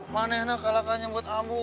manis nah kalahkan nyebut ambu